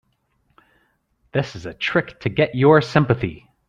This is a trick to get your sympathy.